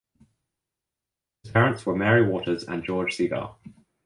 His parents were Mary Waters and George Seagar.